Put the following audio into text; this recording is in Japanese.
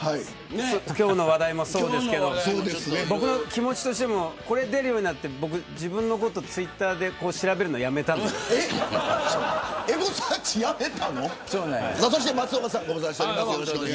今日の話題もそうですけど僕の気持ちとしてもこれに出るようになって自分のことをツイッターで調べるのをやめるようになりました。